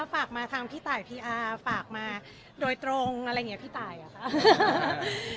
ฝากมาทางพี่ตายพีอาร์ฝากมาโดยตรงอะไรอย่างนี้พี่ตายเหรอคะ